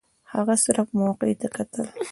هغه صرف موقع ته کتل.